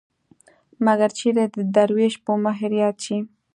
مګر چېرې د دروېش په مهر ياد شي.